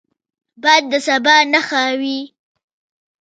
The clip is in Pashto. باد د سبا نښه وي